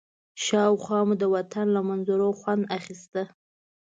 شاوخوا مو د وطن له منظرو خوند اخيسته.